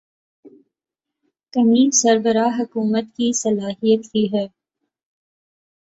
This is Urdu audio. کمی سربراہ حکومت کی صلاحیت کی ہے۔